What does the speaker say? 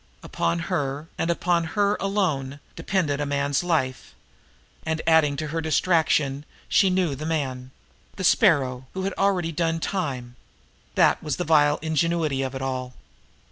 Upon her, and upon her alone, depended a man's life, and, adding to her distraction, she knew the man the Sparrow, who had already done time; that was the vile ingenuity of it all.